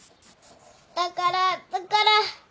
だからだから。